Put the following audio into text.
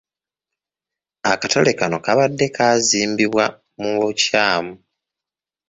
Akatale kano kabadde kaazimbibwa mu bukyamu.